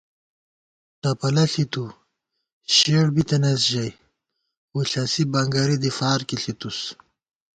ٹپَلہ ݪِتُو شیڑ بِتَنَئیس ، ژَئی وُݪَسی بنگَری دی فارکی ݪِتُوس